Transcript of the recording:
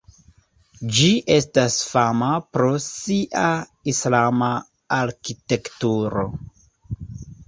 Ĝi estas fama pro sia islama arkitekturo.